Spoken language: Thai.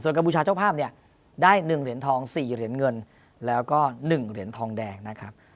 กัมพูชาเจ้าภาพเนี่ยได้๑เหรียญทอง๔เหรียญเงินแล้วก็๑เหรียญทองแดงนะครับ